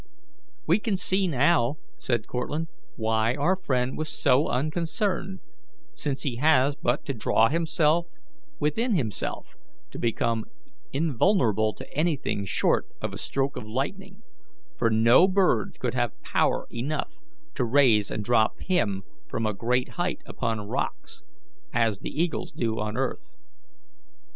"We can now see," said Cortlandt, "why our friend was so unconcerned, since he has but to draw himself within himself to become invulnerable to anything short of a stroke of lightning; for no bird could have power enough to raise and drop him from a great height upon rocks, as the eagles do on earth."